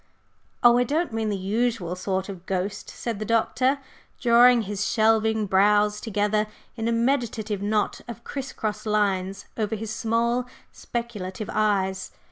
"Oh! I don't mean the usual sort of ghost," said the Doctor, drawing his shelving brows together in a meditative knot of criss cross lines over his small, speculative eyes.